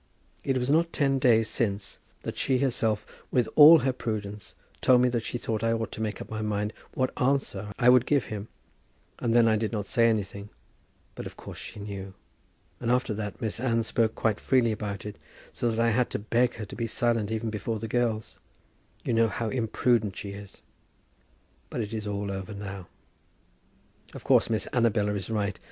It was not ten days since that she herself, with all her prudence, told me that she thought I ought to make up my mind what answer I would give him. And then I did not say anything; but of course she knew. And after that Miss Anne spoke quite freely about it, so that I had to beg her to be silent even before the girls. You know how imprudent she is. But it is all over now. Of course Miss Annabella is right.